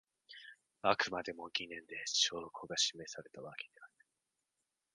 あくまでも疑念で証拠が示されたわけではない